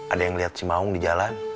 ada yang lihat si maung di jalan